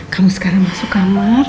kamu sekarang masuk kamar